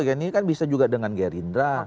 ini kan bisa juga dengan gerindra